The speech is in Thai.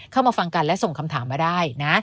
เข้ามาฟังกันและส่งคำถามมาได้นะ